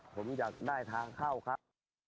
ผมอยากได้ทางเข้าครับ